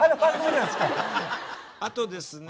あとですね